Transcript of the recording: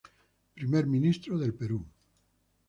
Primer Ministro del Perú.